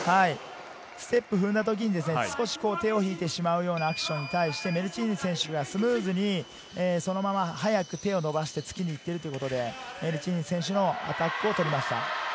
ステップを踏んだ時に手を引いてしまうようなアクションに対して、メルチーヌ選手はスムーズに、そのまま速く手を伸ばして突きに行っているということで、メルチーヌ選手のアタックを取りました。